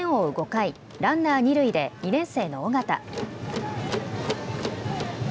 ５回、ランナー二塁で２年生の緒方。